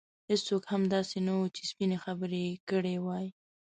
هېڅوک هم داسې نه وو چې سپینې خبرې یې کړې وای.